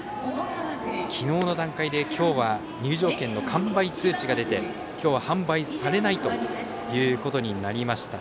昨日の段階で今日は入場券の完売通知が出て今日、販売されないということになりました。